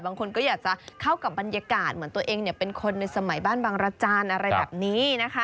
บางคนก็อยากจะเข้ากับบรรยากาศเหมือนตัวเองเป็นคนในสมัยบ้านบางรจานอะไรแบบนี้นะคะ